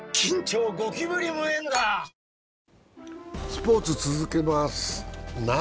スポーツ続けます。